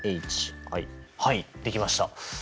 はいできました。